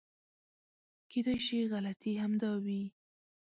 کېدای شي غلطي همدا وي .